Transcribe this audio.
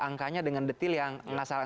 angkanya dengan detail yang enggak salah